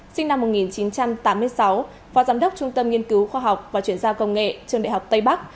sinh năm một nghìn chín trăm tám mươi sáu phó giám đốc trung tâm nghiên cứu khoa học và chuyển giao công nghệ trường đại học tây bắc